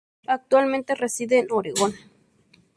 Actualmente reside en Oregón.